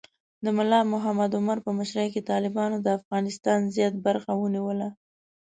د ملا محمد عمر په مشرۍ کې طالبانو د افغانستان زیات برخه ونیوله.